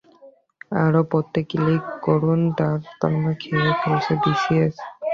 আরও পড়তে ক্লিক করুনতারুণ্যের সময় খেয়ে ফেলছে বিসিএস